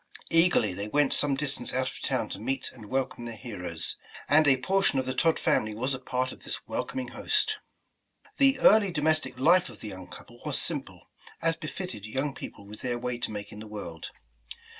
Eagerly, they went some distance out of town to meet and welcome their heroes, and a portion of the Todd family was a part of this welcoming host. The early domestic life of the young couple was sim ple, as befitted young people with their way to make in the world.